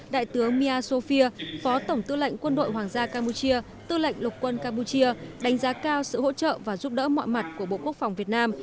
đại tướng miasofia phó tổng tư lệnh quân đội hoàng gia campuchia tư lệnh lục quân campuchia đánh giá cao sự hỗ trợ và giúp đỡ mọi mặt của bộ quốc phòng việt nam